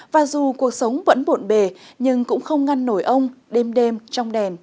và dù cuộc sống vẫn bộn bề nhưng cũng không ngăn nổi ông đêm đêm trong đèn